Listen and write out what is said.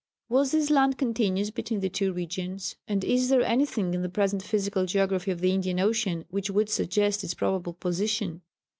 Was this land continuous between the two regions? And is there anything in the present physical geography of the Indian Ocean which would suggest its probable position?